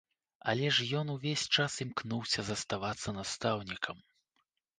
Але ж ён увесь час імкнуўся заставацца настаўнікам.